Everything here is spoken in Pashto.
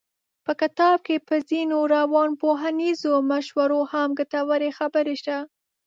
په کتاب کې په ځينو روانپوهنیزو مشورو هم ګټورې خبرې شته.